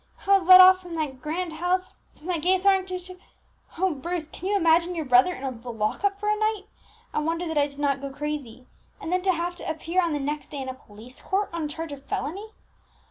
I was led off from that grand house from that gay throng to to O Bruce! can you imagine your brother in the lock up for a night! I wonder that I did not go crazy! And then to have to appear on the next day in a police court, on a charge of felony!